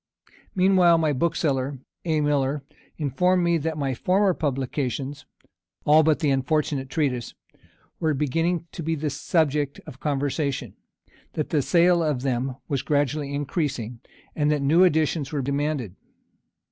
Meanwhile, my bookseller, A. Millar, informed me, that my former publications (all but the unfortunate Treatise) were beginning to be the subject of conversation; that the sale of them was gradually increasing, and that new editions were demanded.